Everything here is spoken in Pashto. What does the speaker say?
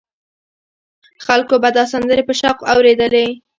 خلکو به دا سندرې په شوق اورېدلې.